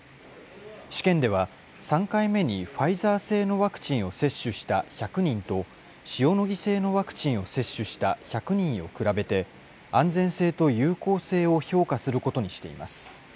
試験では、３回目にファイザー製のワクチンを接種した１００人と、塩野義製のワクチンを接種した１００人を比べて、安全性と有効性を評価することにしています。